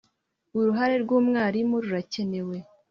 uruhare rw’umwarimu rurakenewe